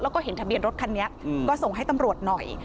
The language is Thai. แล้วก็เห็นทะเบียนรถคันนี้ก็ส่งให้ตำรวจหน่อย